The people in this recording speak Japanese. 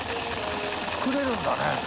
作れるんだね。